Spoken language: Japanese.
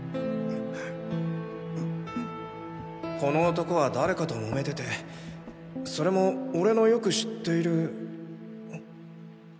この男は誰かと揉めててそれも俺のよく知っている。